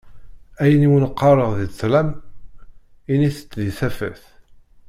Ayen i wen-qqareɣ di ṭṭlam, init-tt di tafat.